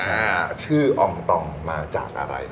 ว่าชื่ออองตองมาจากอะไร